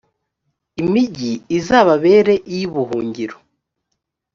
imigi izababera iy’ubuhungiro.